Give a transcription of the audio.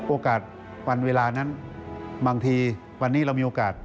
โอกาสวันเวลานั้นบางทีวันนี้เรามีโอกาส